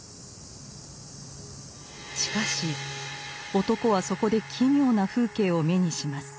しかし男はそこで奇妙な風景を目にします。